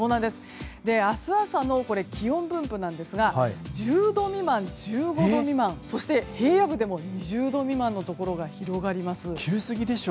明日朝の気温分布なんですが１０度未満、１５度未満そして平野部でも２０度未満のところが広がります。